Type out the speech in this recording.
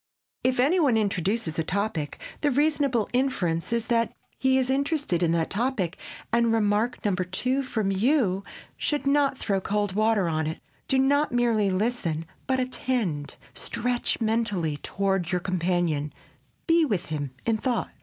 If any one introduces a topic, the reasonable inference is that he is interested in that topic and remark number two from you should not throw cold water on it. Do not merely listen, but attend, stretch mentally toward your companion, be with him in thought.